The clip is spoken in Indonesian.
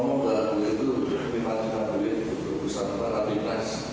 pun pun kan ngomong dalam duit itu tapi maksimal duit itu keusahamatan abimas